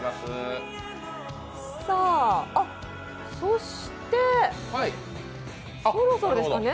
そして、そろそろですかね。